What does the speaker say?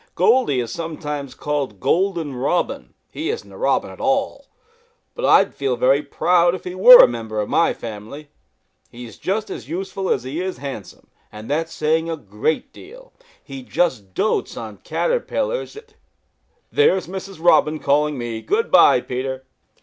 Goldy is sometimes called Golden Robin. He isn't a Robin at all, but I would feel very proud if he were a member of my family. He's just as useful as he is handsome, and that's saying a great deal. He just dotes on caterpillars. There's Mrs. Robin calling me. Good by, Peter."